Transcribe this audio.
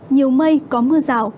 nhiều mây có mưa rào